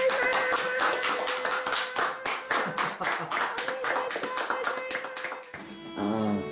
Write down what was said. おめでとうございます。